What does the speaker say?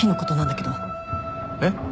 えっ？